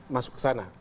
masuk ke sana